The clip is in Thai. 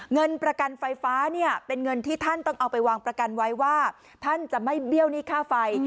เงินประกันไฟฟ้าเนี่ยเป็นเงินที่ท่านต้องเอาไปวางประกันไว้ว่าท่านจะไม่เบี้ยวหนี้ค่าไฟ